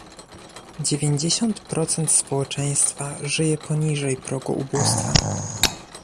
Dziewięćdziesiąt procent społeczeństwa żyje poniżej progu ubóstwa